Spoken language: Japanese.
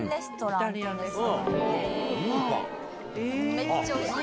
めっちゃおいしい。